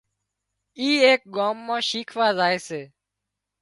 اي ايڪ ڳام مان شيکوا زائي سي